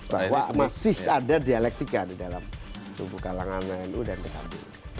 bahwa masih ada dialektika di dalam tubuh kalangan nu dan pkb